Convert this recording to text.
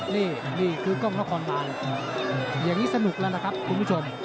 นี่นี่คือกล้องนครบานอย่างนี้สนุกแล้วนะครับคุณผู้ชม